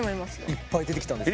いっぱい出てきたんです。